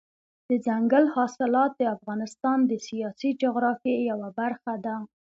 دځنګل حاصلات د افغانستان د سیاسي جغرافیې یوه برخه ده.